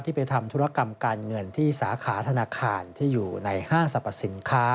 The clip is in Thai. ไปทำธุรกรรมการเงินที่สาขาธนาคารที่อยู่ในห้างสรรพสินค้า